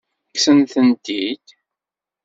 Kksen-tent-id?